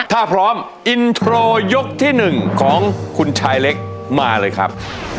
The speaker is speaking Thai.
ถ้าพร้อมอินโทรยกที่๑ของคุณชายเล็กมาเลยครับ